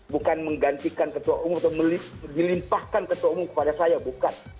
bukan menggantikan ketua umum atau dilimpahkan ketua umum kepada saya bukan